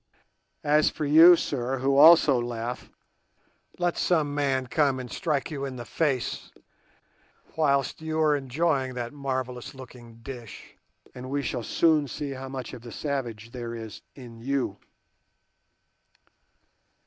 As for you, sir, who also laugh, let some man come and strike you in the face whilst you are enjoying that marvellous looking dish, and we shall soon see how much of the savage there is in you.